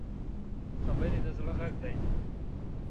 خبرې د زړه غږ دی